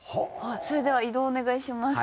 それでは移動をお願いします。